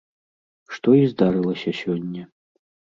Што і здарылася сёння.